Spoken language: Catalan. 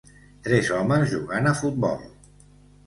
Tres homes jugant a futbol.